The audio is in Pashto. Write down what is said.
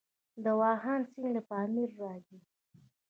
د واخان سیند له پامیر راځي